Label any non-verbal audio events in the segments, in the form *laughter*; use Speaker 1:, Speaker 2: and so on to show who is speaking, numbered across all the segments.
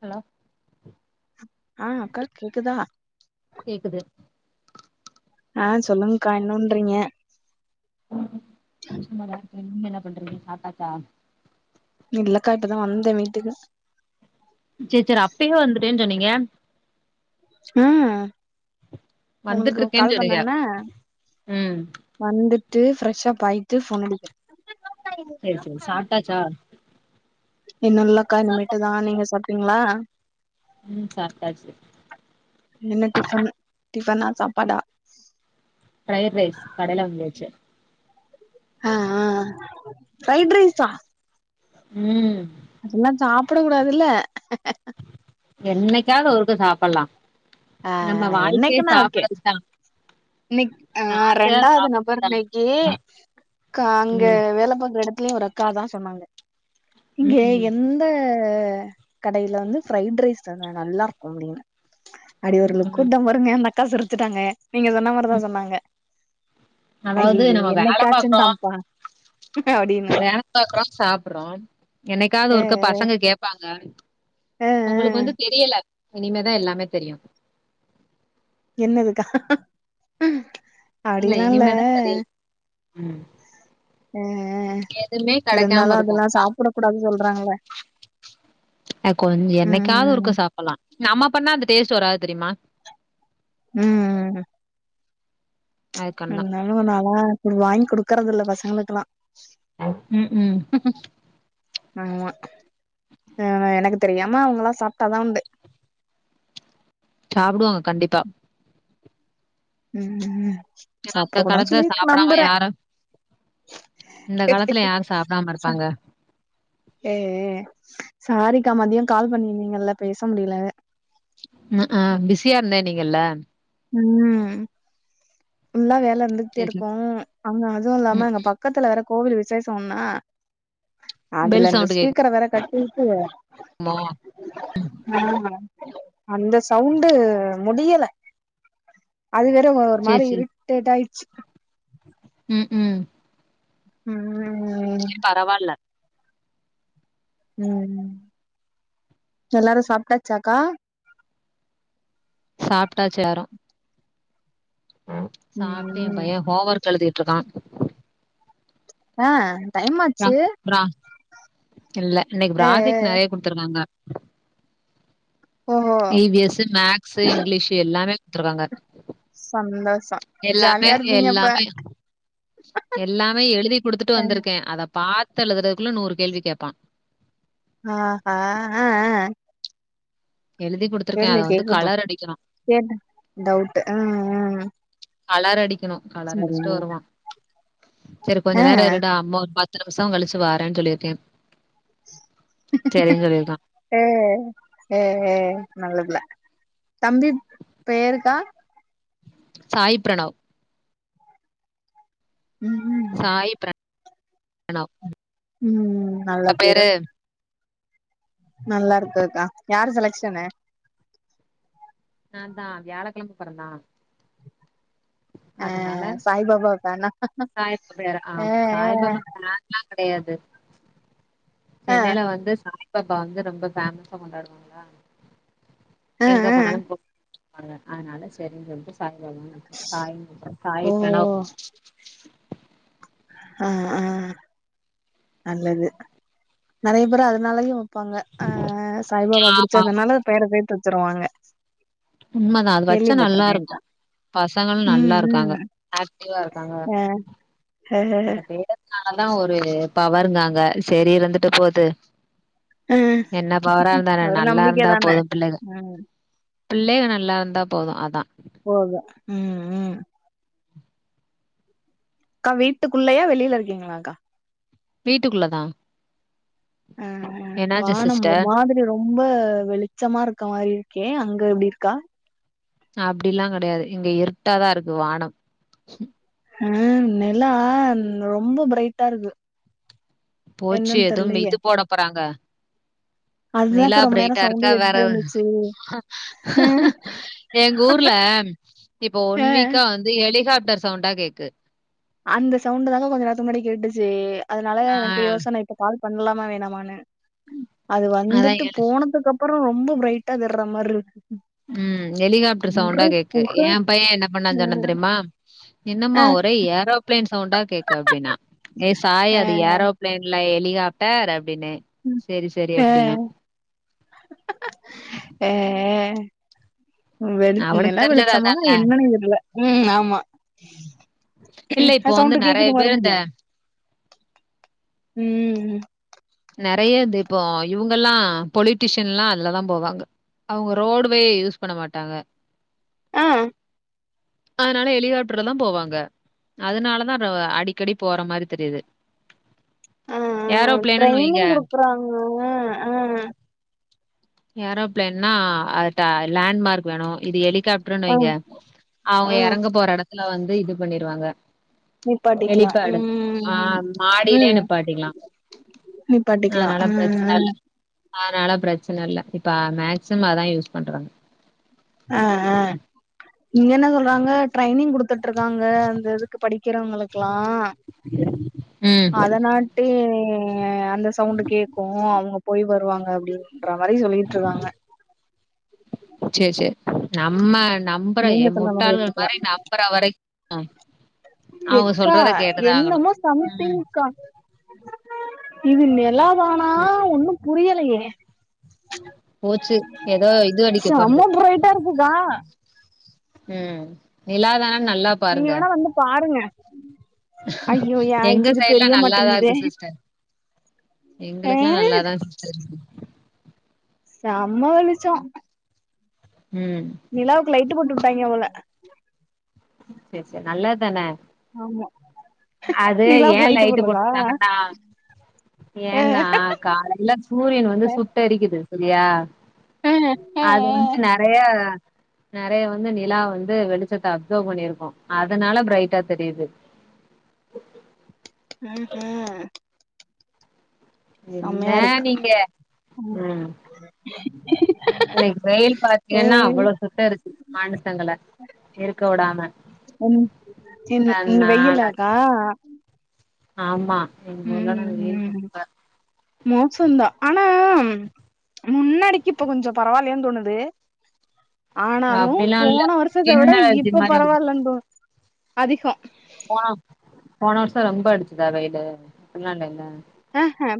Speaker 1: Hello
Speaker 2: ஆ அக்கா கேக்குதா
Speaker 1: கேக்குது
Speaker 2: ஆ சொல்லுங்க்கா என்ன பண்றீங்க?
Speaker 1: கொஞ்சோ நல்லா இருக்கேன் நீங்க என்ன பண்றீங்க சாப்ட்டாச்சா
Speaker 2: இல்லக்கா இப்பதா வந்த வீட்டுக்கு
Speaker 1: சேரி சேரி அப்பயே வந்துட்டேனு சொன்னீங்க
Speaker 2: அ
Speaker 1: வந்துட்டு
Speaker 2: உங்களுக்கு
Speaker 1: இருக்கேன்னு
Speaker 2: கால்
Speaker 1: சொன்னீங்க
Speaker 2: பண்ணானா
Speaker 1: ம்
Speaker 2: வந்துட்டு ஃப்ரெஷ்ஷப்பாயிட்டு ஃபோன் அடி
Speaker 1: சேரி சேரி சாப்ட்டாச்சா
Speaker 2: இன்னு இல்லக்கா இனிமேட்டுதான் நீங்க சாப்ட்டீங்ளா
Speaker 1: ம் சாப்டாச்சு
Speaker 2: என்ன டிஃபன் டிஃபனா சாப்பாடா
Speaker 1: ஃப்ரைட் ரைஸ் கடைல வாங்கியாச்சு
Speaker 2: அ ஆ ஃப்ரைடு ரைஸா
Speaker 1: ம்
Speaker 2: அதெல்லா சாப்ட கூடாதில்ல
Speaker 1: என்னைக்காவது ஒருக்கா சாப்பல்லா
Speaker 2: ஆ
Speaker 1: நம்ம வாழ்க்கையே சாப்டறதுக்குதான்
Speaker 2: இன்னைக்கு ஆ ரெண்டாவது நபர்
Speaker 1: சாப்டறதுதா
Speaker 2: இன்னைக்கு கா அங்க
Speaker 1: ம்
Speaker 2: வேல பாக்கற எடத்துலயே ஒரு அக்கா அதா சொன்னாங்க இங்க
Speaker 1: ம்
Speaker 2: என் இந்த கடைல வந்து ஃப்ரைட் ரைஸ்தா நல்லா இருக்கு *unintelligible* அடி ஒரு
Speaker 1: ம்
Speaker 2: லுக்கு
Speaker 1: ம்
Speaker 2: விட்டன் பாருங்க அந்த அக்கா சிரிச்சுட்டாங்க நீங்க சொன்ன மாரிதா சொன்னாங்க
Speaker 1: அதாவது
Speaker 2: அய்யய்யோ
Speaker 1: நம்ம வேல பாக்குறோ
Speaker 2: என்னைக்காச்சுன்தான்ப்பா அப்டின்னு
Speaker 1: வேல பாக்குறோ சாப்றோ என்னைக்காவது
Speaker 2: அ
Speaker 1: ஒருக்கா பசங்க கேப்பாங்க
Speaker 2: அ அ
Speaker 1: உங்களுக்கு வந்து தெரியல இனிமேதா எல்லாமே தெரியு
Speaker 2: என்னதுக்கா அப்டியெல்லா இல்ல
Speaker 1: இனிமேதா தெரியு ம்
Speaker 2: எ
Speaker 1: எதுமே கெடைக்காம
Speaker 2: இருந்தாலு
Speaker 1: இருக்கு
Speaker 2: அதெல்லா சாப்ட கூடாது சொல்றாங்கள்ள
Speaker 1: அ கொஞ் என்னைக்காவது
Speaker 2: ம்
Speaker 1: ஒருக்கா சாப்பல்லா நம்ம பண்ணா அந்த டேஸ்ட் வராது தெரிமா
Speaker 2: ம்
Speaker 1: அதுக்கான்தா
Speaker 2: என்னாலு நால்லா வாங்கி குடுக்கறதில்ல பசங்களுக்கு எல்லா
Speaker 1: ம் ம்
Speaker 2: ஆமா ஆ எனக்கு தெரியாம அவங்களா சாப்ட்டாதா உண்டு
Speaker 1: சாப்டுவாங்க கண்டிப்பா
Speaker 2: ம் ம்
Speaker 1: ஏனா
Speaker 2: சாப்ட
Speaker 1: இந்த
Speaker 2: கூடாதுன்னு
Speaker 1: காலத்துல
Speaker 2: சொல்லி
Speaker 1: சாப்டாம
Speaker 2: நம்புறே
Speaker 1: யாரு இந்த காலத்துல யாரு சாப்டாம இருப்பாங்க
Speaker 2: எ ஏ சாரிக்கா மதியோ கால் பண்ணிருந்திங்கல்ல பேச முடில
Speaker 1: உ ஊ பிஸியா இருந்தேன்னல்லீங்க
Speaker 2: ம் ஃபுல்லா வேல இருந்துகிட்டே
Speaker 1: சேரி சேரி
Speaker 2: இருக்கும் அங்க அதுவு இல்லாம
Speaker 1: ம்
Speaker 2: அங்க ப க்கத்துல வேற கோவில் விசேஷோ ஒன்னா
Speaker 1: பெல்
Speaker 2: அதுல இந்த
Speaker 1: சவுண்ட்
Speaker 2: ஸ்பீக்கர வேற க கிறுக்குக
Speaker 1: *unintelligible*
Speaker 2: ஆ அந்த சவுண்டு முடியல அது வேற ஒரு
Speaker 1: சேரி
Speaker 2: மாதிரி
Speaker 1: சேரி
Speaker 2: இரிட்டேட் ஆயிடுச்சு
Speaker 1: ம் ம்
Speaker 2: ம்
Speaker 1: சேரி பரவாயில்ல
Speaker 2: ம் எல்லாரு சாப்ட்டாச்சாக்கா
Speaker 1: சாப்ட்டாச்சு எல்லாரு ம் சாப்ட்டே எய
Speaker 2: ம்
Speaker 1: பைய ஹோம் ஒர்க் எழுதிட்டு இருக்கா
Speaker 2: ஆ டைம்
Speaker 1: ப்ரா
Speaker 2: ஆச்சு
Speaker 1: ப்ரா இல்ல இன்னிக்கு
Speaker 2: ஏ ஏ
Speaker 1: ப்ராஜெக்ட் நெறைய குடுத்துருக்காங்க
Speaker 2: ஓஹோ
Speaker 1: இ வீ யஸ் மேக்ஸ் இங்கிலீஷ் எல்லாமே கொடுத்துருக்காங்க
Speaker 2: சந்தோஷோ
Speaker 1: எல்லாமே
Speaker 2: ஜாலியா இருப்பீங்க அப்ப
Speaker 1: எல்லாமே எல்லாமே எழுதி கொடுத்துட்டு வந்துருக்க அத பாத்து எழுதுறதுக்குள்ள நூறு கேள்வி கேட்பா
Speaker 2: ஆஹ ஆ ஆ
Speaker 1: எழுதி கூடு
Speaker 2: தெர்ல கேக்கட்டும் கேட்டு டவுட் ம் ம்
Speaker 1: கலர் அடிக்கணும் கலர் அடிச்சுட்டு
Speaker 2: சரி
Speaker 1: வருவா சரி கொஞ்ச
Speaker 2: ஆ
Speaker 1: நேர
Speaker 2: ஆ
Speaker 1: இருடா அம்மு ஒரு பத்து நிமிஷ கழிச்சு வாரன்னு சொல்லியிருக்க சரினு சொல்ரிக்கா
Speaker 2: அ அ நல்ல புள்ள தம்பி பேருக்கா
Speaker 1: சாய் பிரணவ்
Speaker 2: ம் ம்
Speaker 1: சாய் பிரணவ்
Speaker 2: ம் நல்ல
Speaker 1: அ பேரு
Speaker 2: நல்லா இருக்குதுக்கா யார் செலக்சன்னு
Speaker 1: நாதா வியாழக்கிழம்மா பிறந்தா
Speaker 2: ஆ
Speaker 1: அதனால
Speaker 2: சாய்பாபா ஃபேனா
Speaker 1: சாய் பேர்
Speaker 2: ஆ
Speaker 1: ஆம் சாய் பாபா கிடையாது
Speaker 2: ஆ
Speaker 1: சென்னையில வந்து சாய் பாபா வந்து ரொம்ப பேமஸா கொண்டாடுவாங்களா
Speaker 2: ஆ
Speaker 1: எங்க
Speaker 2: ஆ
Speaker 1: போனாலு அத அதனால சரின்னு சொல்லிட்டு வந்து சாய் வச்ச சாய்
Speaker 2: ஓ
Speaker 1: பிரணவ்
Speaker 2: ஆஹ் ஆஹ் நல்லது நெறைய பேரு அதனாலயையு வைப்பாங்க ஆஹ் சாய்பாபா புடிச்ச
Speaker 1: ஆமாமா
Speaker 2: அதனால பெயர பேர்தே தச்சருவாங்க
Speaker 1: உண்மதா அது வச்சா நல்லா இருக்கு பசங்களு நல்லா
Speaker 2: ம்
Speaker 1: இருக்காங்க
Speaker 2: ம்
Speaker 1: ஆக்டிவா இருக்காங்க
Speaker 2: ஆ ஆ
Speaker 1: அந்த பேடனாலதா ஒரு பவர்ருங்காங்க சரி இருந்துட்டு போது
Speaker 2: ஆ
Speaker 1: என்ன பவற இருந்தா என்ன
Speaker 2: ஒரு
Speaker 1: நல்லா
Speaker 2: நம்பிக்க
Speaker 1: இருந்தா
Speaker 2: தான
Speaker 1: போது பிள்ளைங்க
Speaker 2: ம்
Speaker 1: பிள்ளைக நல்லா இருந்தா போது அதா
Speaker 2: போவுது ம் ம் அக்கா வீட்டுக்குள்ளையா வெளியில இருக்கீங்களா அக்கா
Speaker 1: வீட்டுக்குள்ள தா
Speaker 2: ஆஹ் வானம் ஒரு
Speaker 1: சிஸ்டர்
Speaker 2: மாதிரி ரொம்ப ரொம்ப வெளிச்சமா இருக்கா மாதிரி இருக்கே அங்க எப்டி இருக்கா
Speaker 1: அப்டி எல்லா கிடையாது இங்க இருட்டாதா இருக்கு வானம்
Speaker 2: ஆஹன் நிலா ரொம்ப பிரைட்டா இருக்கு
Speaker 1: போச்சு
Speaker 2: என்னன்னு
Speaker 1: எதும்
Speaker 2: தெர்லயே
Speaker 1: இது போட போறாங்க நிலா
Speaker 2: அதுதாக்கா ரொம்ப நேரோ
Speaker 1: பிரைட்டா இருக்கா
Speaker 2: சவுண்டு
Speaker 1: வேற
Speaker 2: கேட்டுட்டே இருந்துச்சு
Speaker 1: எங்க ஊர்ல இப்போ
Speaker 2: ஆ
Speaker 1: ஒன் வீக்கா வந்து ஹெலிகாப்டர் சவுண்டா கேக்கு
Speaker 2: அந்த சவுண்டு தாக்கா கொஞ்ச நேரத்துக்கு முன்னாடி கேட்டுச்சு அதனால
Speaker 1: ஆ.
Speaker 2: எனக்கு யோசன இப்ப கால் பண்லாமா வேணாமான்னு அது
Speaker 1: அதான்
Speaker 2: வந்துட்டு
Speaker 1: ஹெலி
Speaker 2: போனதுக்கப் பறோ ரொம்ப பிரைட்டா தெர்ற மார் இருக்
Speaker 1: ம் எலிகாப்டர் சவுண்டா கேக்கு
Speaker 2: புக
Speaker 1: எ பைய என்ன பண்ணான் சொன்ன தெர்மா என்னம்மா
Speaker 2: ஆ
Speaker 1: ஒரே ஏரோபிளைன் சவுண்டா கேக்கு அப்டின்னா ஏ சாய்
Speaker 2: ஆ
Speaker 1: அது ஏரோ பிளைன்ல எலிகாஃப்டர் அப்படினே சரி சரி அப்டின்னா
Speaker 2: ஆஹான் வெளு
Speaker 1: அவனுக்கு
Speaker 2: நிலா
Speaker 1: தெரிஞ்சது
Speaker 2: வெளிச்சமா
Speaker 1: அதானே.
Speaker 2: என்னன் தெர்ல ம் ஆமா
Speaker 1: இல்ல இப்போ வந்து
Speaker 2: சவுண்டு
Speaker 1: நெறைய
Speaker 2: கேக்குது
Speaker 1: பேர் இந்த
Speaker 2: மறுபடியு ம்
Speaker 1: நெறைய இது இப்போ இவங்களா பொலிட்டிஷின்ல்லா அதுலதா போவாங்க அவங்க ரோடுவே யூஸ் பண்ண மாட்டாங்க
Speaker 2: ஆ
Speaker 1: அதனால எளிக்காப்டர்லதா போவாங்க அதனாலதா அப்றோ அடிக்கடி போற மாரி தெரியுது
Speaker 2: ஆ ஆ
Speaker 1: ஏரோபிளேன்னுன்னு வைங்க.
Speaker 2: ட்ரைனிங் குடுக்குறாங்க ஆ
Speaker 1: ஏரோபிளைன்னா அத்தா லேண்மார்க் வேணு இது எலி காற்றோன்
Speaker 2: ஆ
Speaker 1: வைங்க அவங்க
Speaker 2: ஆ
Speaker 1: இறங்க போற இடத்துல வந்து இது பண்ணிருவாங்க
Speaker 2: நிப்பாட்டிக்கலா
Speaker 1: எளிப்பேடு ஆ
Speaker 2: ம்
Speaker 1: மாடிலே
Speaker 2: ம்
Speaker 1: நிப்பாட்டிக்கலா
Speaker 2: நிப்பாட்டிக்கலா
Speaker 1: அதனால
Speaker 2: ஆ
Speaker 1: பிரச்சன இல்ல அதனால பிரச்சன இல்ல இப்ப மேக்சிம அதா யூஸ் பண்றாங்க
Speaker 2: ஆ ஆ இங்க என்ன சொல்றாங்க ட்ரைனிங் குடுத்துட்ருக்காங்க அந்த இதுக்கு படிக்கிறவங்கக்கல்லா
Speaker 1: ம்.
Speaker 2: அதனாட்டு அ அந்த சவுண்டு் கேட்கு அவங்க போய் வருவாங்க அப்படின்ற மாரி சொல்லிட்டு இருக்காங்க
Speaker 1: சேர் சேர் நம்ம நம்பற
Speaker 2: நீங்க சொல்ற
Speaker 1: முட்டாள்கள்
Speaker 2: வச்சுக்கலா
Speaker 1: மாரி நம்பற வரைக் ஆ
Speaker 2: எக்கா என்னமோ
Speaker 1: ம்.
Speaker 2: சம்திங்க்கா இது நிலாவா
Speaker 1: ம்
Speaker 2: புரியலையே
Speaker 1: போச்சு ஏதோ இது அடிக்க
Speaker 2: செம
Speaker 1: போறது.
Speaker 2: பிரைட்டா இருக்குகா
Speaker 1: ம் நிலாதான நல்லா
Speaker 2: நீங்க
Speaker 1: பாருங்க.
Speaker 2: வேன்னா வந்து பாருங்க ஐயோ ஏ
Speaker 1: எங்க
Speaker 2: ஹைட்டுக்கு
Speaker 1: சைட்ல
Speaker 2: தெரிய
Speaker 1: நல்லாதா
Speaker 2: மாட்டேங்குதே
Speaker 1: இருக்கு சிஸ்டர்
Speaker 2: ஆ
Speaker 1: எங்களுக்கல்லா நல்லாதா சிஸ்டர் *inaudible*
Speaker 2: செம்ம வெலிச்சோ
Speaker 1: ம்
Speaker 2: நிலாவுக்கு லைட்டு போட்டு விட்டாங்க போல
Speaker 1: சேர் சேர் நல்லது தானே
Speaker 2: ஆமா
Speaker 1: அது ஏ
Speaker 2: நிலாவுக்கு
Speaker 1: லைட்டு
Speaker 2: போடுறதா
Speaker 1: போட்டாங்கன்னா
Speaker 2: ஆ
Speaker 1: ஏன்னா காலையில சூரியன் வந்து
Speaker 2: ஆ
Speaker 1: சுட்டெரிக்குது சேரியா
Speaker 2: ஆ ஆ
Speaker 1: அது வந்து நெறைய நெறைய வந்து நிலா வந்து வெளிச்சத்த அப்சர்வ் பண்ணியிருக்கு அதனால பிரரைட்டா தெரியுது கொட்டு
Speaker 2: ம் ம்
Speaker 1: என்ன
Speaker 2: செம்மையா இருக்கு
Speaker 1: நீங்க ம் இன்னைக்கு வெயில்
Speaker 2: ஏ
Speaker 1: பாத்தீங்கன்னா அவ்ளோ சுட்டெரிச்சுசு மனுசங்களை இருக்க விடாம
Speaker 2: சின் இந்த
Speaker 1: அதனால
Speaker 2: வெயிலாக்கா
Speaker 1: ஆமா எங்க ஊர்லலா வெயில் ரொம்ப
Speaker 2: மோசந்தான் ஆனா முன்னாடிக்கு இப்ப கொஞ்சம் பரவாயில்லையான்னு தோணுது ஆனாலு
Speaker 1: அப்டிலா இல்ல
Speaker 2: போன வருஷத்த
Speaker 1: ஸ்கின்
Speaker 2: விட
Speaker 1: அலர்ஜி
Speaker 2: இப்ப
Speaker 1: மாரி ஆகுது
Speaker 2: பரவாயில்லன் தோணு அதிகோ
Speaker 1: போன போன வருசோ ரொம்ப அடிச்சுதா வெயிலு அப்டில்லா இல்லைல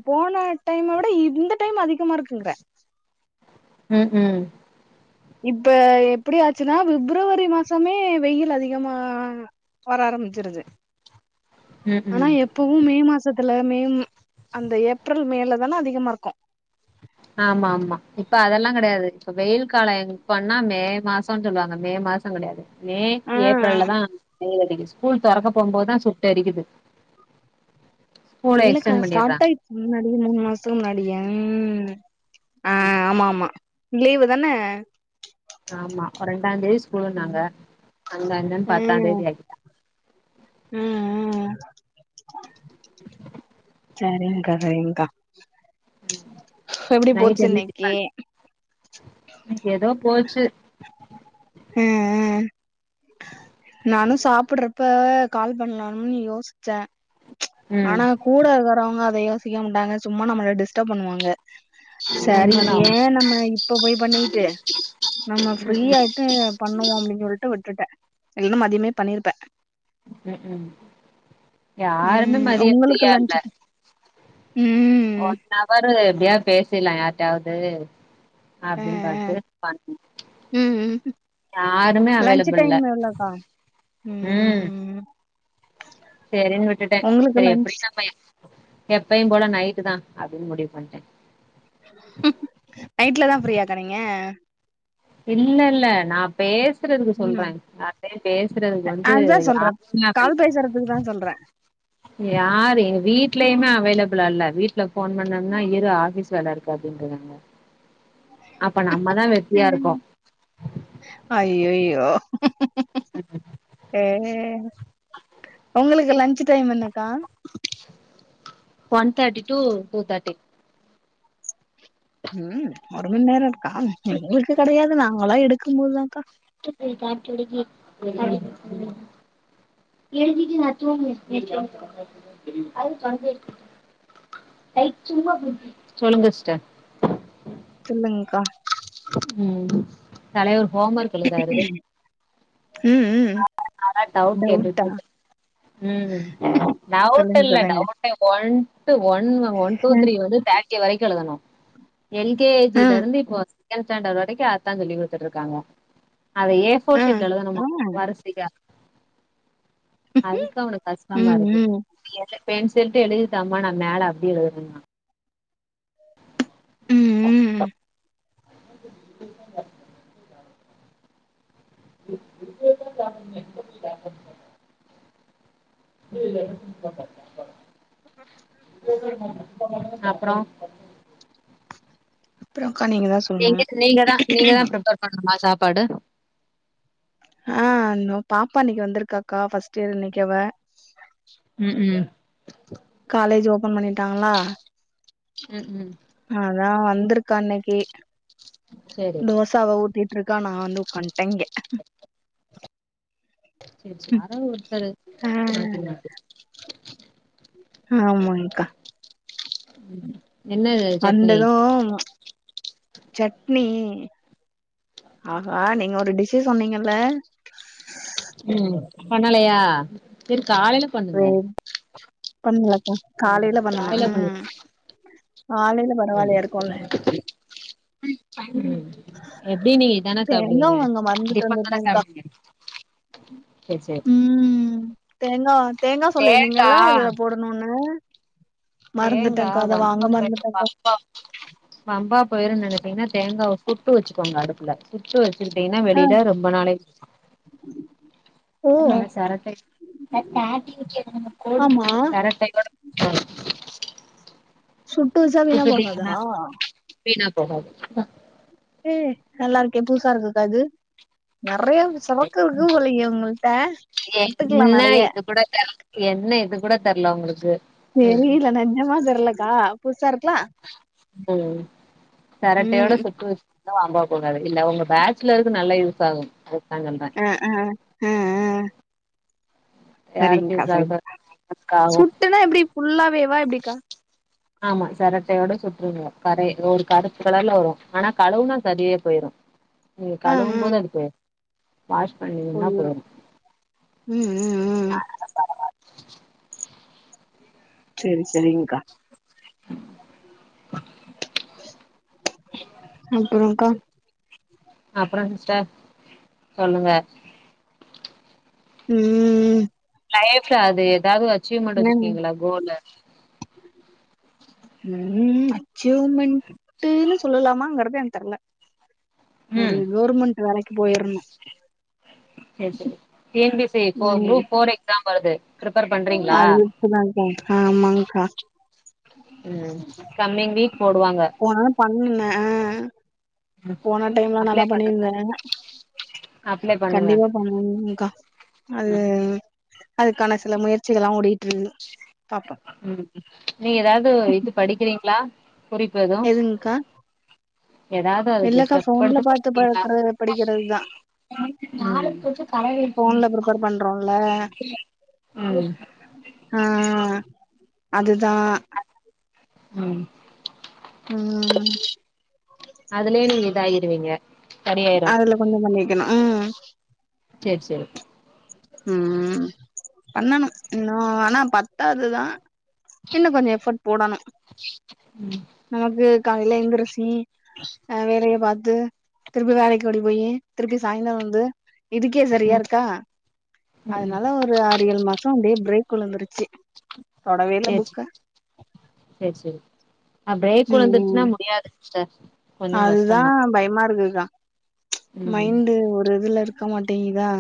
Speaker 2: போன டைம்ம விட இந்த டைம் அதிகமா இருக்குங்குறே
Speaker 1: ம் ம்
Speaker 2: இப்ப எப்படியாச்சுன்னா பிப்ரவரி மாசமே வெயில் அதிகமா வர ஆரம்பிச்சிருது
Speaker 1: ம்
Speaker 2: ஆனா
Speaker 1: ம்
Speaker 2: எ ப்பவும் மே மாசத்துல மே ம் அந்த ஏப்ரல் மேல தான அதிகமா இருக்கு
Speaker 1: ஆமா ஆமா இப்ப அதெல்லா கெடையாது இப்ப வெயில் காலம் எப்பனா மே மாசனு சொல்லுவாங்க மே மாசம் கிடையாது மே
Speaker 2: ஆ
Speaker 1: ஏப்ரல்ல தா வெயில் அடிக்கிது ஸ்கூல் தொறக்க போம்போதுதா சுட்டெரிக்குது ஸ்கூல
Speaker 2: இல்லக்கா
Speaker 1: எக்ஸ்டென்
Speaker 2: ஸ்டார்ட்
Speaker 1: பண்ணிறாங்க
Speaker 2: ஆயிடுச்சு முன்னாடி மூணு மாசத்துக்கு முன்னாடியா
Speaker 1: ம்
Speaker 2: மாமா லீவு தானே
Speaker 1: ஆமா ரெண்டாந்தேதி ஸ்கூலுன்னாங்க
Speaker 2: ம்
Speaker 1: அந்தா இந்தானு பத்தாந்தேதி ஆக்கி
Speaker 2: ம் ம் சரிங்க்கா சரிங்க்கா எப்படி போச்சு
Speaker 1: நைட்
Speaker 2: இன்னைக்கி
Speaker 1: க்கி ஏதோ போச்சு
Speaker 2: ம் ம் நானு சாப்பிடுறப்ப கால் பண்ணலானும்னு யோசிச்சே
Speaker 1: ம்
Speaker 2: ஆனா கூட வர்றவுங்க அத யோசிக்க மாட்டாங்க சும்மா நம்மள டிஸ்டர்ப் பண்ணுவாங்க சரி
Speaker 1: உண்மதா
Speaker 2: ஏன் நம்ம இப்ப போய் பண்ணிகிட்டு நம்ம
Speaker 1: ம்
Speaker 2: ஃப்ரீயா ட்டு இத பண்ணுவோ அப்டின்னு சொல்லிட்டு விட்டுட்டே இல்லேனா மதியமே பண்ணிருப்பே
Speaker 1: ம் ம் யாருமே
Speaker 2: ம் உங்களுக்கு
Speaker 1: மதியாதையா இல்ல
Speaker 2: லன்ச் ம்
Speaker 1: ஒன் அவரு எப்படியாது பேசிடலாம் யார்ட்டையாவது
Speaker 2: ஆ
Speaker 1: அப்டின்னு
Speaker 2: ஆ
Speaker 1: பாத்து பண்
Speaker 2: ம் ம்
Speaker 1: யாருமே
Speaker 2: லன்ச்
Speaker 1: அவைலபுல் இல்ல
Speaker 2: டைம் எவ்ளோக்கா
Speaker 1: ம் சேரின்னு விட்டுட்டே
Speaker 2: உங்களுக்கு
Speaker 1: சரி
Speaker 2: லன்ச்
Speaker 1: எப்டியு நம்ம எப்பயு போல நைட்டு தா அப்டின் முடிவு பண்ட்டே
Speaker 2: நைட்ல தான் ஃப்ரீயாக்கா நீங்க
Speaker 1: இல்ல இல்ல நா பேஸ் சுறதுக்கு சொல்றே
Speaker 2: ம்
Speaker 1: ஆசையா பேசுறதுக்கு வந்து
Speaker 2: அதுதா
Speaker 1: யா
Speaker 2: கால்
Speaker 1: *unintelligible*
Speaker 2: பேசுறதுக்கு சொல்றே சொல்றே
Speaker 1: யாரு எங்க வீடலயுமே அவைலபிளா இல்ல வீட்ல ஃபோன் பண்ணனா இரு ஆஃபீஸ் வேல இருக்கு அப்டின்றாங்க அப்ப நம்மதா வெட்டியா இருக்கோ
Speaker 2: அய்யய்யோ
Speaker 1: உ உ
Speaker 2: ஏங்க உங்களுக்கு லன்ச் டைம் என்னக்கா
Speaker 1: one thirty to two thirty
Speaker 2: ம் ஒரு மணி நேரோ இருக்கா எங்களுக்கு கிடையாது நாங்களா எடுக்கு போதுதாக்கா
Speaker 1: *unintelligible* எழுதி மற்று *unintelligible* ஐ சும்மா மி சொல்லுங்க சிஸ்டர்
Speaker 2: சொல்லுங்க்கா
Speaker 1: உ தலைவர் ஹோம் ஒர்க் எழுதுறாரு
Speaker 2: உ உ
Speaker 1: நானே டவுட் கேட்டுட்டுருக்கே ம் டவுட்
Speaker 2: சொல்லுங்க
Speaker 1: இல்ல
Speaker 2: சொல்லுங்க
Speaker 1: டவு ஒன்ட்டு ஒ-ஒ-ஒன் டு த்ரீ வந்து தேட் டி வரைக்கு எழுதனு எல்கேஜி
Speaker 2: ஆ
Speaker 1: எல்கேஜில இருந்து இப்போ ஸெகண்ட் ஸாண்டர்ட் வரைக்கு அததா சொல்லி கூடுத்துட்டு இருக்காங்க அத ஏ ஃபோர்
Speaker 2: ஆ ஆ
Speaker 1: ஷீட்ல எழுதுனுமா வரிசயா அதுக்கு தா உனக்கு கஷ்டமா
Speaker 2: ம்
Speaker 1: இருக்கு
Speaker 2: ம்
Speaker 1: பெண்சில்ட்டு எழுதிதாமா நா மேல அப்படியே எழுதுரென்ற
Speaker 2: உ உ உ
Speaker 1: *inaudible* *inaudible* *unintelligible* அப்றோ
Speaker 2: அப்புறம்க்கா தா
Speaker 1: நீங்க
Speaker 2: சொல்லணு
Speaker 1: நீங்க தா நீங்க தா பிரிப்பர் பண்ணுமா சாப்பாடு
Speaker 2: ஆ பாப்பா இன்னிக்கு வந்திருக்காக்கா ஃபஸ்ட் இயர் இன்னிக்கு அவ
Speaker 1: உ உ
Speaker 2: காலேஜ் ஓபன் பண்ணிட்டாங்களா
Speaker 1: சேரி உ
Speaker 2: அதா வந்திருக்கா இன்னனிக்கு
Speaker 1: சேரி
Speaker 2: தோஸ் சவா ஊட்டிட்டருக்க நான்வந்து உக்காட்டே இங்க
Speaker 1: சரி யாராவது ஒருத்தரு மாட்ட மா
Speaker 2: ஆமங்க்கா
Speaker 1: உ *unintelligible* என்ன
Speaker 2: அந்தது சட்னி ஆஹா நீங்க ஒரு டிஷு சொன்னீங்கல்ல
Speaker 1: உ பண்ணலையா பிர் காலைல
Speaker 2: பை பண்ணலக்கா காலைல பண்ணனு
Speaker 1: காலையில பண்ணுங்க
Speaker 2: உம் காலைல
Speaker 1: *unintelligible* எப்டி நீங்க இதானே
Speaker 2: தேங்கா
Speaker 1: சாப்பிடுவீங்க டிபன் தானே சாப்பிடுவிங்க
Speaker 2: உ தேங்காய் தேங்காய் சொல்ல நீங்க
Speaker 1: தேங்கா
Speaker 2: எல்ல அது போட இன்னொன்னு
Speaker 1: தேங்க வம்
Speaker 2: மறந்துட்டேன்க்கா
Speaker 1: ப பம்பா போயிரு நினைத்தீங்கன்னா தேங்காயாவை கூட்டு வச்சுக்கோங்க அடுப்புல சுற்று வச்சுக்கிட்டீங்கன்னா
Speaker 2: ஆ
Speaker 1: வெளிலல ரொம்ப நாளைக்கு
Speaker 2: ஓ
Speaker 1: அது சரத்தாய
Speaker 2: ஆமா
Speaker 1: சரத்தாய *inaudible*
Speaker 2: சுட்டு வச்சா வீணா போகாதா
Speaker 1: சுட்டுட்டீங்கன்னா வீணா போகாது
Speaker 2: ஹே நல்லாருக்கே புதுசாருக்குக்கா இது நறைய செவக்குருக்கு போலயே உங்கள்ட்ட கத்துக்லா நறைய
Speaker 1: கூடத் தெர்ல என்ன இது கூட தெர்ல உங்ளுக்கு
Speaker 2: *unintelligible* தெர்லக்கா புசாருக்குலா
Speaker 1: ம் சரட்டையோட
Speaker 2: ம்
Speaker 1: சுட்டு வ வம்பா போகாது இல்ல ஒங்க பேட்ச்சுலர்க்கு நல்லா யூஸ் ஆகு அததா சொல்றே
Speaker 2: அ ஆ ஆ ஆ
Speaker 1: யாருக்கு
Speaker 2: சரிங்க்கா
Speaker 1: யூஸ்
Speaker 2: சரிங்
Speaker 1: ஆகுதோ க்காகு
Speaker 2: சுட்டுனா எப்டி ஃபுல்லாவேவா எப்டிக்கா
Speaker 1: ஆமா சரட்டையோட சுட்ருங்க கரை ஒரு கருப்புகலர்ல வரு ஆனா கழுவுனா சரியாபோயிரு நீங்க
Speaker 2: ஆ ஆ
Speaker 1: கழுவும்போது அது பே வாஷ் பண்ணின்னா போயிரு
Speaker 2: ம் ம் ம்
Speaker 1: அ
Speaker 2: சேரி செரிங்க்கா இப்டி தானேங்க்கா
Speaker 1: அப்றோ சிஸ்டர் சொல்லுங்க
Speaker 2: ம்
Speaker 1: லைஃப்ல அது எதாது அச்சீவ்மென்ட்
Speaker 2: என்ன
Speaker 1: வச்சிருக்கீங்ளா கோலு
Speaker 2: ம் அச்சீவ்மென்ட்டுனு சொல்லலாமாங்கறத எனக்கு தெர்ல ஒரு
Speaker 1: ம்
Speaker 2: கவுர்மென்ட் வேலைக்கு போயிற்னு
Speaker 1: சேர் சேரி டீ என் பி சி ஃபோ
Speaker 2: ம்
Speaker 1: குரூப் ஃபோர் எக்ஸாம் வருது பிரிப்பேர் பண்றீங்ளா
Speaker 2: அது ஆமாங்க்கா
Speaker 1: ம் கம்மிங் வீக் போடுவாங்க
Speaker 2: போன தடவ பண்ணே போன டைம்லா
Speaker 1: அப்ளை
Speaker 2: நல்லா
Speaker 1: பண்ணுங்க
Speaker 2: பண்ணிருந்தே
Speaker 1: அப்ளை பண்ணுங்க
Speaker 2: கண்டிப்பா பண்ணணுக்கா அது
Speaker 1: ம்
Speaker 2: அதுக்கான சில முயற்சிகளா ஆ ஓடிட்ருந்தே பாப்போ
Speaker 1: ம் நீங்க எதாவ்து இது படிக்கிறீங்ளா குறிப்பு எது
Speaker 2: இருக்கா
Speaker 1: எதாவ்து அதுக்கு ஒரு ஸ்டெப்
Speaker 2: ஃபோன்ல
Speaker 1: எடுத்து
Speaker 2: பாத்து
Speaker 1: படிக்றீங்ளா
Speaker 2: பழக்கறது படிக்கிறதுதா
Speaker 1: நாளைக் கொஞ்சோ
Speaker 2: ஃபோன்ல ப்ரிப்பேர் பண்றோல்ல
Speaker 1: *unintelligible* ஆ
Speaker 2: ஆ அதுதா
Speaker 1: ம்
Speaker 2: ம்
Speaker 1: அதுலயே நீங்க இதாயிருவீங்க சரியாயிரும்
Speaker 2: அதுல கொஞ்சொ பண்ணிக்கனு ம்
Speaker 1: சேர் சேர்
Speaker 2: ம் பண்ணணு இன்னு ஆனா பத்தாது தா இன்னு கொஞ்சோ எஃபர்ட் போடணு நமக்கு காலைல எந்திரிச்சி ஆ வேலய பாத்து திருப்பி வேலைக் ஓடி போயி திருப்பி சாய்ந்தரோ வந்து இதுக்கே சரியா
Speaker 1: ம்
Speaker 2: இருக்கா
Speaker 1: ம் ம்
Speaker 2: அதனால ஒரு அறு ஏழு மாசோ அப்டியே பிரேக் உழுந்துருச்சி
Speaker 1: சேர் சேர் செரி செரி அ பிரேக்
Speaker 2: ம்
Speaker 1: உழுந்துருச்சுன்னா
Speaker 2: ம்
Speaker 1: முடி முடியாது சிஸ்டர் கொஞ்சம்
Speaker 2: அதுதா
Speaker 1: கஷ்டம்தான்
Speaker 2: பயமாருக்குகா
Speaker 1: ம்
Speaker 2: மைண்ட் ஒரு இதுல இருக்க மாட்டேங்குதா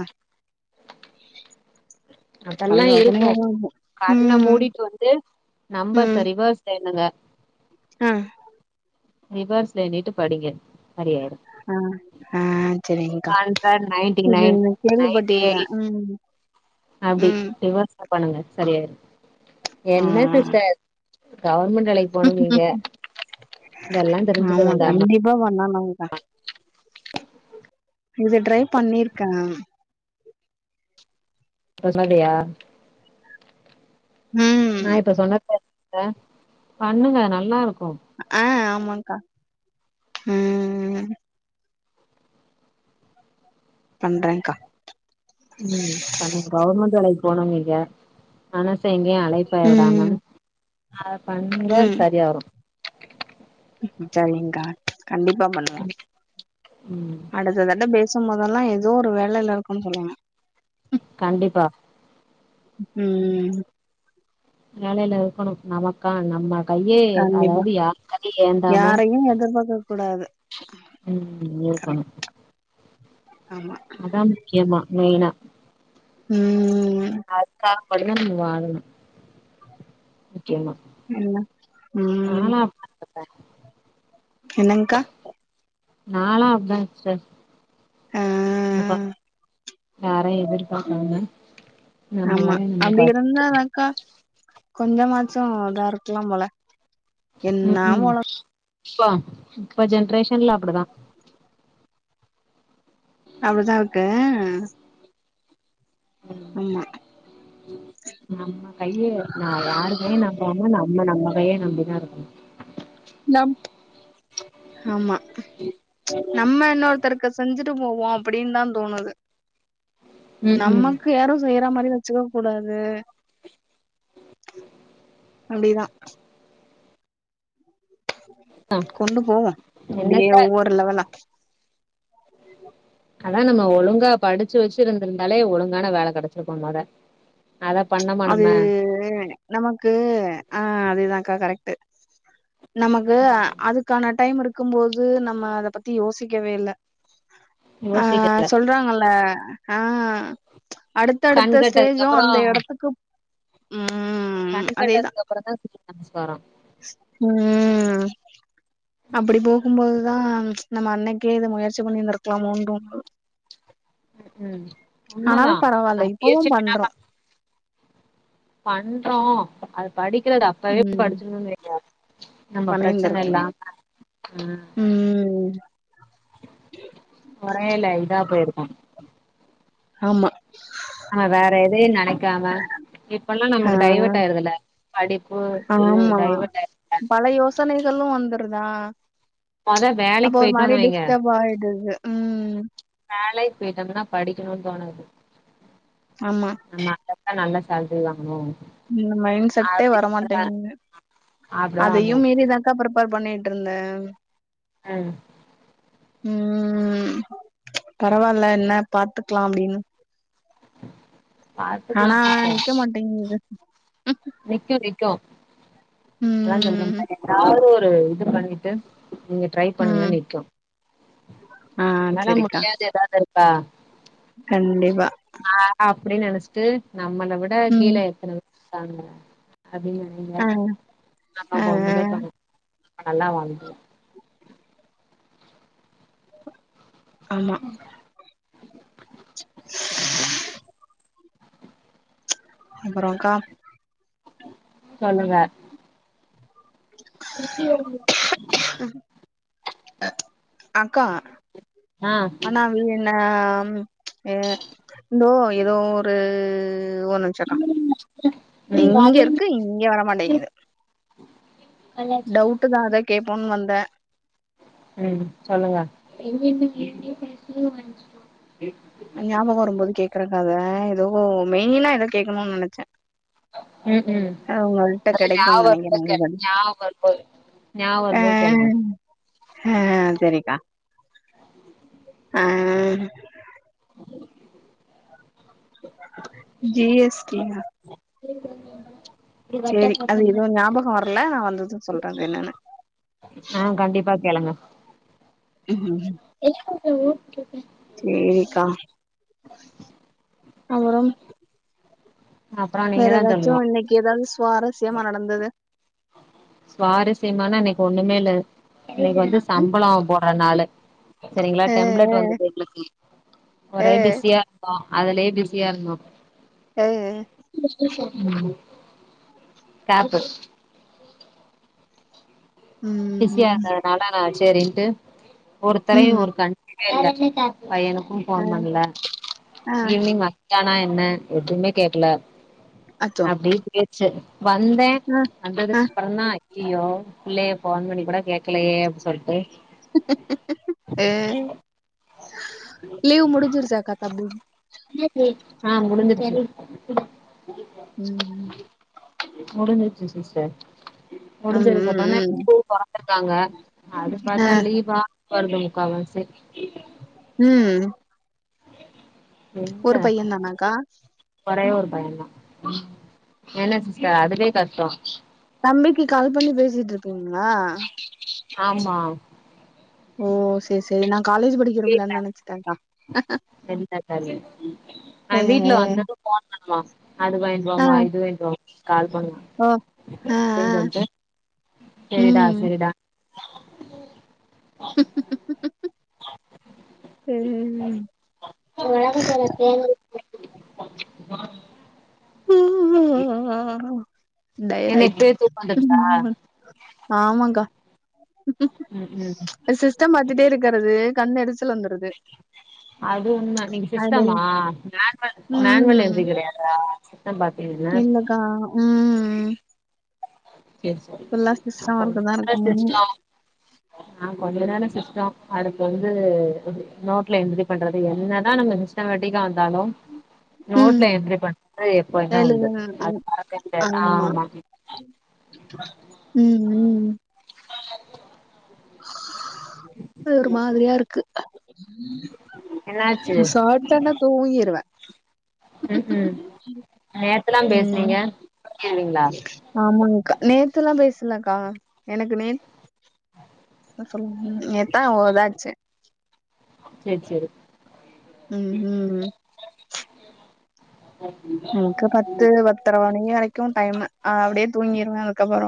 Speaker 2: *inaudible* பல
Speaker 1: அதெல்லா இருக்கு
Speaker 2: யோசனைகள்
Speaker 1: கண்ண
Speaker 2: ம்
Speaker 1: மூடிட்டு வந்து நம்பர்ச ரிவர்ஸ்ல எண்ணுங்க
Speaker 2: உம்
Speaker 1: ரிவர்ஸ்ல எண்ணிட்டு படிங்க சரியாயிறு
Speaker 2: ஹ ஹ செரிங்கா
Speaker 1: ஹண்ட்ரட் நைன்டி
Speaker 2: இது
Speaker 1: நைன் நைன்டி
Speaker 2: கேள்விப்பட்டிற்ற
Speaker 1: எயிட்
Speaker 2: ம்
Speaker 1: அப்டி
Speaker 2: ம்
Speaker 1: ரிவர்ஸ்ல பண்ணுங்க சரியாயிரு
Speaker 2: ஆ
Speaker 1: என்ன சிஸ்டர் கவர்மெண்ட் வேலைக்கு போனு நீங்க இதல்லா தெரிஞ்சுக்க வேண்டாமா
Speaker 2: ரோபோன்னா நாமுக்தா இது ட்ரை பண்ணிருக்க
Speaker 1: *unintelligible* யா
Speaker 2: ம்
Speaker 1: நான் இப்ப சொன்னத பண்ணுங்க நல்லா இருக்கு
Speaker 2: ஆஹ் ஆமாங்கா ம் பண்றங்கா
Speaker 1: ம் பண்ணுங் கவர்மெண்ட் வேலைக்கு போனோ நீங்க மனஸ் ஸ எங்கயு அழைப்பய் விடாம
Speaker 2: ம்
Speaker 1: அத பண்ணுங்க சரிய வரு
Speaker 2: ம் சரிங்கா கண்டிப்பா பண்ணுவோ
Speaker 1: ம்
Speaker 2: அடுத்ததட பேஸ் சும்போதல்லா ஏதோ ஒரு வேலையில இருக்கோன் சொல்லுங்க
Speaker 1: கண்டிப்பா
Speaker 2: ம்
Speaker 1: வேலையில இருக்கணு நமக்கா நம்ம கையே
Speaker 2: கண்டிப்பா
Speaker 1: அதாவது யார் கைய ஏந்தாம
Speaker 2: யாரையு எதிர்பாக்க கூடாது
Speaker 1: ம் இருக்கணு
Speaker 2: கரெக்ட் ஆமா
Speaker 1: அதா முக்கியமா மெயினா
Speaker 2: ம்
Speaker 1: அதுக்காக உடனே நீங்க வாங்ணும் முக்கியமா
Speaker 2: ம் ம்
Speaker 1: *inaudible*
Speaker 2: என்னங்கா
Speaker 1: நாளா அப்டிதா சிஸ்டர்
Speaker 2: ஆ
Speaker 1: அப்பா யாரையு எதிர் பாக்காம
Speaker 2: ஆமா அப்டி இருந்தாக்கா கொஞ்சமாச்சு இதா இருக்கலா போல என்ன
Speaker 1: உக்கும்
Speaker 2: போல
Speaker 1: ப்போ இப்ப ஜென்ரேஷன்ல அப்புடிதா
Speaker 2: அப்புடிதா இருக்கு ஆமா
Speaker 1: உம் *inaudible* நம்ம கைய நா யாருகையோ நம்பாம நம்ம நம்ம கையே நம்பிதா இருக்கனு
Speaker 2: நம்ப் ஆமா நம்ம இன்னொருத்தருக்கு செஞ்சுட்டு போவோ அப்டின் தா தோணுது
Speaker 1: ம் ம்
Speaker 2: நமக்கு யாரு செய்யற மாரி வச்சுக்க கூடாது அப்டிதா கொண்டு போவோ அப்டியே
Speaker 1: என்னத்த
Speaker 2: ஒவ்வொரு லெவலா *unintelligible*
Speaker 1: அதா நம்ம ஒழுங்கா படிச்சு வச்சுிருந்திருந்தாலே ஒழுங்கான வேல கெடைச்சிருக்கூ மொத அத பண்ணோமா
Speaker 2: அது
Speaker 1: நம்ம
Speaker 2: நமக்கு ஆ அதே தான்க்கா கரெக்ட் நமக்கு அதுக்கான டைம் இருக்கும்போது நம்ம அத பத்தி யோசிக்கவே இல்ல ஆ
Speaker 1: யோசிக்க
Speaker 2: சொல்றாங்கல ஆ
Speaker 1: கண்
Speaker 2: அடுத்தடுத்த
Speaker 1: கெட்டதுக்கு
Speaker 2: ஸ்டேஜு
Speaker 1: அப்புறோ
Speaker 2: அந்த எடத் த்துக்குப் ம்
Speaker 1: கண்
Speaker 2: அதேதா
Speaker 1: கெட்டதுக்கு அப்புறோ தா சூரிய நமஸ்காரோ
Speaker 2: ம் அப்படி போ பாக்கும்போதுதா நம்ம அன்னைக்கே இத முயற்சி பண்ணிருந்திருக்லாமோன் தோணு
Speaker 1: ம் ம் உண்ம
Speaker 2: ஆனாலு
Speaker 1: தா
Speaker 2: பரவால்ல
Speaker 1: நாம
Speaker 2: இப்பவு
Speaker 1: முயற்சி
Speaker 2: பண்றோ
Speaker 1: பண்ணாம பண்றோ அது படிக்கலடா படிப்பு
Speaker 2: ம்
Speaker 1: படிச்சிருந்தோம்னு வைங்க நம்ம பிரச்சனை
Speaker 2: பண்ணிருந்திருக்கலா
Speaker 1: இல்லாம ம்
Speaker 2: ம்
Speaker 1: கொறயல இதா போயிருக்கோ
Speaker 2: ஆமா
Speaker 1: ஆ வேற எதையு நெனைக்காம இப்பல்லா
Speaker 2: ஆ
Speaker 1: நமக்கு டைவர்ட் ஆயிருதுல்ல படிப்பு ம்
Speaker 2: ஆமா
Speaker 1: டைவர்ட் ஆயிரு
Speaker 2: பல யோசனைகளு வந்துருதா
Speaker 1: மொத
Speaker 2: அப்ப
Speaker 1: வேலைக்கு
Speaker 2: ஒரு மாரி
Speaker 1: போயிட்டோன்னு
Speaker 2: டிஸ்டர்ப் ஆயிடுது ம்
Speaker 1: வேலைக் பேய்ட்டு வந்தனா படிக்கணுன் தோணாது
Speaker 2: ஆமா
Speaker 1: நம்ம அப்பப்ப நல்ல சேல்ரி வாங்கணூ
Speaker 2: இந்த மைண்ட செட்டே வரமாட்டேங்குது
Speaker 1: அப்டிதா
Speaker 2: அதையும்
Speaker 1: வந்துரு
Speaker 2: மீறி எதாது க்காப்ரிப்பர் பண்ணிட்ருந்தே
Speaker 1: அ
Speaker 2: ம் பரவால்ல என்ன பாத்துக்லா அப்டின்னு
Speaker 1: பாத்துக்கலா
Speaker 2: ஆனா நிக்க மாட்டேங்குது
Speaker 1: நிக்கூ நிக்கூ எல்லா
Speaker 2: ம்
Speaker 1: சொல்றன்ன எதாவ்து ஒரு இது பண்ணிட்டு நீங்க ட்ரை பண்ணுங்க
Speaker 2: ம்
Speaker 1: நிக்கூ
Speaker 2: ஆ
Speaker 1: நம்மளால
Speaker 2: செரிக்கா
Speaker 1: முடியாது எதாவ்து இருக்கா
Speaker 2: கண்டிப்பா
Speaker 1: ஆ அப்டின்னு நெனைச்சிட்டு நம்மள விட கீழ
Speaker 2: ம்
Speaker 1: எத்தன பேர் இருகாங்க அப்டின் நென ங்க
Speaker 2: ஆ
Speaker 1: நம்ம
Speaker 2: ஆ ஆ.
Speaker 1: ஒண்ணமே *inaudible* நல்லா வாழ்வோம்
Speaker 2: ஆமா அப்பொறக்கா
Speaker 1: சொல்லுங்க *unintelligible*
Speaker 2: அக்கா
Speaker 1: ஆ
Speaker 2: ஆனா என்ன ம் எ இந்தோ ஏதோ ஒரு ஒருநிமிஷம் அ இங்க இருக்கு இங்க வரமாட்டேங்கிது டவுட்டு தா அதா கேட்போன் வந்தே
Speaker 1: ம் சொல்லுங்க
Speaker 2: ஞாபக வரும்போது கேக்குறக்கா அத எதோ மெயினா ஏதோ கேக்கணுன் நெனைச்சே
Speaker 1: ம் ம்
Speaker 2: கெடைக்கும்னு
Speaker 1: ஞாபக
Speaker 2: நெனைக்கிறேங்க தோழி ஆ
Speaker 1: வரும்போது கேளுங்க
Speaker 2: ஆ சரிக்கா ஆ ஜி எஸ் டி யா
Speaker 1: *inaudible* வட்ட
Speaker 2: சேரி அது
Speaker 1: போட்ட மாரி
Speaker 2: எதுவு ஞாபக வரல நா வந்தது சொல்றேன் அது என்னன்னு
Speaker 1: ஆ கண்டிப்பா கேளுங்க
Speaker 2: உ உம்
Speaker 1: *unintelligible*
Speaker 2: சேரிக்கா அபறம்
Speaker 1: அப்றோ
Speaker 2: வேற
Speaker 1: நீங்க தா
Speaker 2: ஏதாச்சு
Speaker 1: சொல்ணு
Speaker 2: இன்னைக்கு ஏதாவது சுவாரஸ்யமா நடந்தது
Speaker 1: சுவாரஸ்யமானா இன்னைக்கு ஒண்ணுமே இல்ல இன்னைக்கு வந்து
Speaker 2: ம்
Speaker 1: சம்பளம் போட்ற நாளு சரிங்ளா
Speaker 2: ஆ
Speaker 1: டெம்லெட் வந்துட்டு எங்களுக்கு
Speaker 2: ஆ
Speaker 1: ஒரே பிஸியா இருந்தோ அதுலேயே பிஸியா இருந்தோ
Speaker 2: ம்
Speaker 1: கேப்பு
Speaker 2: ம்
Speaker 1: பிசியா
Speaker 2: ம்
Speaker 1: இருந்ததுனாலா நா சேரின்ட்டு ஒருத்தரையு
Speaker 2: ம்
Speaker 1: ஒரு கண் பையனுக்கு
Speaker 2: ஆ
Speaker 1: ஃபோன் பண்ல
Speaker 2: ஆ
Speaker 1: ஈவ்னிங் வ யானா என்ன எதுமே கேக்கல
Speaker 2: அச்சோ
Speaker 1: அப்டியே போய்ருச்சு வந்தே
Speaker 2: ஆ ஆ
Speaker 1: வந்ததுக்கு அப்பறந்தா ஐயய்யோ புள்ளைய ஃபோன் பண்ணி கூட கேக்கலையே அப்டி சொல்ட்டு
Speaker 2: லீவ் முடுஞ்சுருச்சாக்கா தம்பி
Speaker 1: ஆ முடிஞ்சுருச்சு
Speaker 2: ம்
Speaker 1: முடிஞ்சுருச்சு சிஸ்டர்
Speaker 2: அ ம் ம்
Speaker 1: பொறந்துருக்காங்க அது
Speaker 2: ஆ
Speaker 1: பாத்தா லீவா வருது முக்காவாசி
Speaker 2: ம்
Speaker 1: எங்க
Speaker 2: ஒரு பையன் தானாக்கா
Speaker 1: ஒரே ஒரே ஒரு பயந்தா என்ன சிஸ்டர் அதுவே கஷ்டோ
Speaker 2: தம்பிக்கு கால் பண்ணி பேசிட்ருப்பீங்ளா
Speaker 1: ஆமா
Speaker 2: ஓ செரி செரி நா காலேஜ் படிக்கிற
Speaker 1: இல்ல
Speaker 2: புள்ளன் நெனைச்சுட்டேங்க்கா
Speaker 1: *unintelligible* அவ
Speaker 2: ஏ
Speaker 1: வீட்ல வந்ததும் ஃபோன் பண்ணுவா அது வாங்ண்ட்
Speaker 2: ஆ
Speaker 1: வாமா இது வாங்ண்ட் கால்
Speaker 2: ஓ
Speaker 1: பண்ணுவா
Speaker 2: ஆ ஆ
Speaker 1: *inaudible* செரிடா
Speaker 2: ம்
Speaker 1: செரிடா
Speaker 2: சேரி சே
Speaker 1: உளவுத்துறை *unintelligible* இக்
Speaker 2: டையடு ஆயிட்
Speaker 1: வந்துருச்சா
Speaker 2: ஆமாங்க்கா
Speaker 1: ம் ம்
Speaker 2: அ சிஸ்டம் பாத்துட்டே இருக்கறது கண் எரிச்சல் வந்துருது
Speaker 1: அது உண்ம நீங்க
Speaker 2: அடேய்
Speaker 1: சிஸ்டமா மேனுவல் எம்
Speaker 2: ம்
Speaker 1: பி கெடையாதா சிஸ்டம் பாத்தீங்கனா
Speaker 2: கா ம் ம்
Speaker 1: சேரி சேரி
Speaker 2: இப்பலா
Speaker 1: அப்ப
Speaker 2: சிஸ்டம் ஒர்க்குதா இருக்க முடியு
Speaker 1: நா கொஞ்ச நேர சிஸ்ட அடுத்து வந்து இது நோட்ல என்ட்ரி பண்றது என்னதா நம்ம சிஸ் ட்டமேட்டிக்கா வந்தாலு
Speaker 2: ம்
Speaker 1: நோட்ல என்ரி பண்றது தா எப்பைமே உண்டு
Speaker 2: எழுது
Speaker 1: அது மறக்கவே முடியாது ஆமா
Speaker 2: ம் ம்
Speaker 1: *inaudible*
Speaker 2: ப்பயே ஒரு மாதிரியா இருக்கு
Speaker 1: என்னாச்சு
Speaker 2: இது சாப்டனா தூங்கிருவே
Speaker 1: ம் ம் நேத்துலா
Speaker 2: ம்.
Speaker 1: பேசுனீங்க கேள்வீங்ளா
Speaker 2: ஆமாங்க்கா நேத்துலா பேசலக்கா எனக்கு நேத் நேத்தா ஓர்தா அட்ச்சே
Speaker 1: சேரி சேரி
Speaker 2: ம் ம் நமக்கு பத்து பத்தர மணி வரைக்கு டைமு அப்டியே தூங்கிருவே அதுக்கப்பற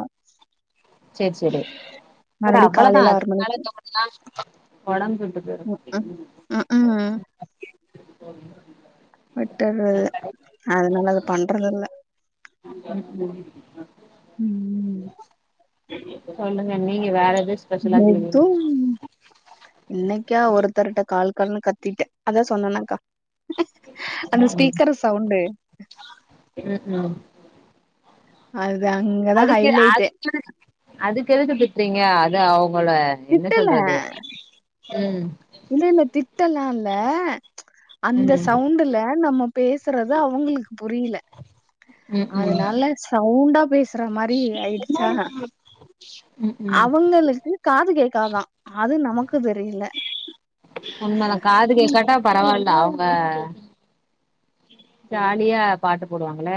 Speaker 1: சேரி சேரி அட அவ்வளதா
Speaker 2: காலையில
Speaker 1: அதுக்கு மேல
Speaker 2: மணிக்கு.
Speaker 1: தூங்குனாலு ஒடம்பு கெட்டுப்
Speaker 2: மு அ அ ஆ
Speaker 1: *inaudible*
Speaker 2: விட்டுர்றது அதனால அது பண்றதில்ல
Speaker 1: ம் ம்
Speaker 2: ம் ம்
Speaker 1: சொல்லுங்கண்ணி வேறெதோ
Speaker 2: மொத்தம் இன்னைக்கா ஒருத்தர்ட்ட கால்கால்னு கத்திட்டே அத சொன்னனாக்கா அந்த ஸ்பீக்கரு சவுண்டு
Speaker 1: ம் ம்
Speaker 2: அதுதாங்க
Speaker 1: அதுக்கு அதுக்குனு அதுக்கு எதுக்கு திட்றீங்க அது அவ்ங்களோட என்ன
Speaker 2: திட்டல.
Speaker 1: சொல்றது ம்
Speaker 2: இல்ல இல்ல திட்டலா இல்ல அந்த
Speaker 1: ம்
Speaker 2: சவுண்டுல நம்ம பேசுறது அவுங்களுக்கு புரியல
Speaker 1: ம் ம்
Speaker 2: அதனால சவுண்டா பேசுற மாரி ஆயிடுச்சா
Speaker 1: ம் ம்
Speaker 2: அவங்களுக்கு காது கேக்காதா அது நமக்கு தெரியல
Speaker 1: உண்மதா காது கேக்காட்டா பரவால்ல அவ்ங்க ஜாலியா பாட்டு போடுவாங்கள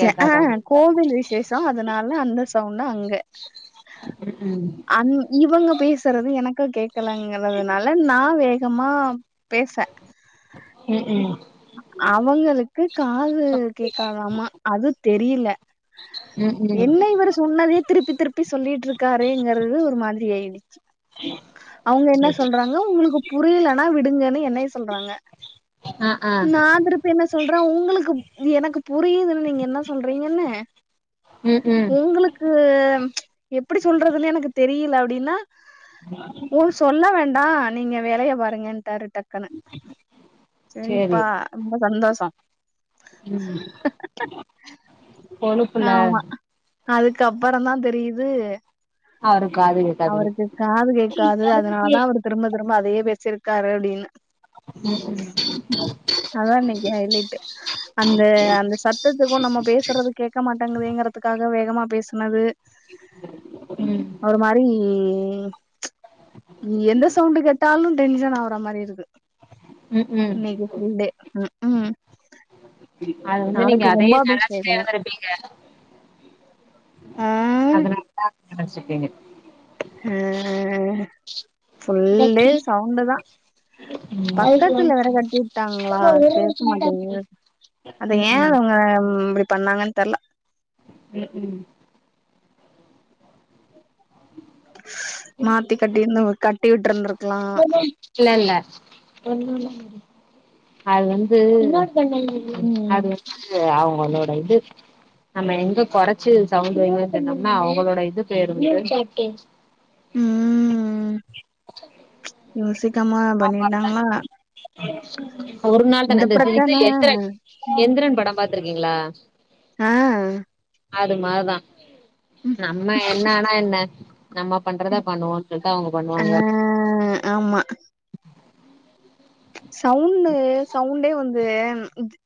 Speaker 2: ஜ ஆ கோவில் விசேஷ அதனால அந்த சவுண்டு அங்க
Speaker 1: ம் ம்
Speaker 2: அன் இவங்க பேசுறது எனக்கு கேக்கலங்கிறதுனால நா வேகமா பேச
Speaker 1: ம் ம்
Speaker 2: அவுங்களுக்கு காது கேக்காதாமா அது தெரில
Speaker 1: ம் ம் ம்
Speaker 2: என்ன இவரு சொன்னதே திருப்பி திருப்பி சொல்லிட்டு இருக்காரேங்கறது ஒரு மாதிரி ஆயிடுச்சி அவுங்க என்ன சொல்றாங்க உங்களுக்கு புரியலனா விடுங்கன்னு என்னய சொல்றாங்க
Speaker 1: அ
Speaker 2: நா திருப்பி என்ன சொல்றே உங்களுக்கு எனக்கு புரியுதுன் நீங்க என்ன சொல்றீங்கன்னு
Speaker 1: ம் ம்
Speaker 2: உங்களுக்கு கு எப்டி சொல்றதுன்னு எனக்கு தெரியல அப்டினா உ சொல்ல வேண்டா நீங்க வேலைய பாருங்கட்டாரு டக்குன்னு
Speaker 1: சேரி
Speaker 2: அ ரொம்ப சந்தோஷோ
Speaker 1: ம் கொழுப்புல
Speaker 2: அதுக்குப்பறோ தா தெரியுது
Speaker 1: அவருக்கு காது கேக்
Speaker 2: அவருக்கு காது கேக்காது அதனால தா அவரு திரும்ப திரும்ப அதயே பேசிருக்காரு அப்டினு
Speaker 1: ம்
Speaker 2: அதா இன்னைக்கி ஹைலைட்டு அந்த அந்த சத்தத்துக்கு நம்ம பேசுறது கேட்க மாட்டேங்குதங்கறதுக்காக வேகமா பேசுனது
Speaker 1: ம்
Speaker 2: ஒரு மாரி நீ எந்த சவுண்டு கேட்டாலு டென்ஷன் ஆவுற மாரி இருக்கு
Speaker 1: ம் ம்
Speaker 2: இன்னைக்கி ஃபுல் டே ம் ஹும்
Speaker 1: அது வந்து நீங்க அதயே நெனச்சிடே
Speaker 2: கும்பாபிஷேகோ
Speaker 1: இருந்துருப்பீங்க
Speaker 2: ஆ
Speaker 1: அதனால தா அப்டி நெனச்சிகீங்க
Speaker 2: ஹ ஃபுல் டே சவுண்டு தா
Speaker 1: ம்
Speaker 2: பக்கத்துல வேற கட்டி வுட்டாங்களா கேட்க மாட்டிங்குது அந்த ஏன் அத
Speaker 1: ம்
Speaker 2: அவுங்க ம் இப்டி பண்ணாங்கன்னு தெர்ல
Speaker 1: ம் ம்
Speaker 2: மாத்தி கட்டிருந்து வு கட்டி விட்டுந்ரு
Speaker 1: இல்ல இல்ல அது வந்து
Speaker 2: ம்
Speaker 1: அது வந்து அவுங்களோட இது நம்ம எங்க கொறைச்சு சவுண்ட் வைங்கன்னு சொன்னோம்னா அவுங்களோட இது போயிருட்டு
Speaker 2: ம் யோசிக்கமா பண்ணிட்டாங்க
Speaker 1: ஒரு நாள் தான இந்த இது எந்திரன் எந்திரன் படம் பாத்துருக்கீங்களா
Speaker 2: ஆஹ்
Speaker 1: அது மாரிதா நம்ம என்ன ஆனா என்ன நம்ம பண்றதா பண்ணுவோன்னு சொல்லிட்டு அவுங்க
Speaker 2: ஆ
Speaker 1: பண்ணுவாங்க
Speaker 2: ஆமா சவுண்டு சவுண்டே வந்து இது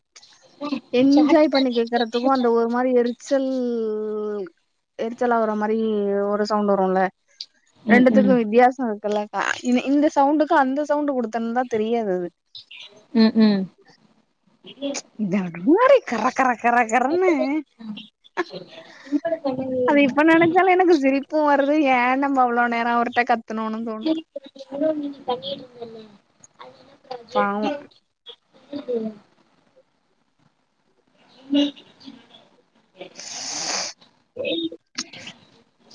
Speaker 2: என்ஜாய் பண்ணி கேக்கறதுக்கு அந்த ஒரு மாரி எரிச்சல் எரிச்சல் ஆவுற மாரி ஒரு சவுண்ட் வருல
Speaker 1: ம்
Speaker 2: ரெண்டுத்துக்கு
Speaker 1: ம்
Speaker 2: வித்தியாசோ இருக்குல்லக்கா இ இந்த சவுண்டுக்கு அந்த சவுண்டு குடுத்துயிருந்த தெரியாது அது
Speaker 1: ம் ம்
Speaker 2: இந்த மூடி கர கர கர கரனு
Speaker 1: என்னோட பண்ணவே
Speaker 2: அது இப்ப
Speaker 1: இல்ல
Speaker 2: நெனைச்சாலு எனக்கு சிரிப் பு வருது ஏன் நம்ம அவ்ளோ நேரோ அவர்ட்ட கத்துணோணு தோணுது பாவோ
Speaker 1: *inaudible* *unintelligible*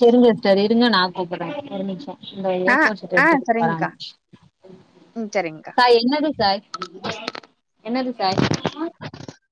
Speaker 1: உம் செரிங்க சார் இருங்க நா கூப்டுறே ஒரு நிமிஷோ இந்த ஏ
Speaker 2: ஆ
Speaker 1: ஃபோர் ஷீட்
Speaker 2: ஆ
Speaker 1: எடுத்து
Speaker 2: சரிங்க்கா
Speaker 1: குடுக்றே
Speaker 2: ம் சரிங்க்கா
Speaker 1: சாய் என்னது சாய் என்னது சாய் ஆ